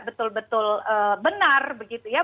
betul betul benar begitu ya